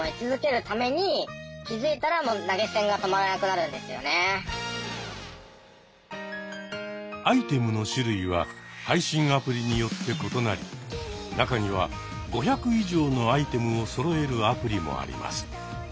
そうするとアイテムの種類は配信アプリによって異なり中には５００以上のアイテムをそろえるアプリもあります。